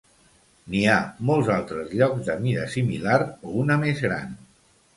N'hi ha molts altres llocs de mida similar o una més gran.